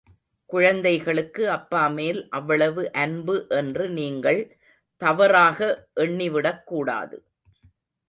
குழந்தைகளுக்கு அப்பா மேல் அவ்வளவு அன்பு என்று நீங்கள் தவறாக எண்ணிவிடக்கூடாது.